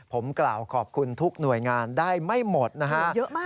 ผมกล่าวขอบคุณทุกหน่วยงานได้ไม่หมดนะฮะเยอะมาก